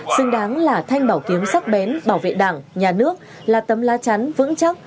xứng đáng là thanh bảo kiếm sắc bén bảo vệ đảng nhà nước là tấm lá chắn vững chắc